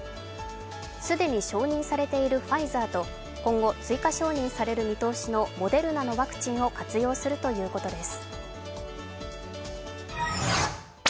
既に承認されているファイザーと今後、追加承認される見通しのモデルナのワクチンを活用するということです。